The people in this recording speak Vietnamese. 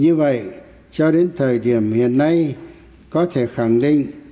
như vậy cho đến thời điểm hiện nay có thể khẳng định